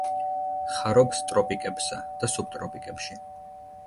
ხარობს ტროპიკებსა და სუბტროპიკებში.